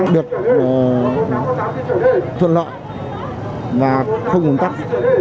được thuận lợi và không un tắc